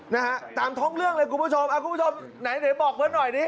นะฮะตามทั้งเรื่องเลยคุณผู้ชมอะคุณผู้ชมไหนเดี๋ยวบอกเพิ่มหน่อยดิ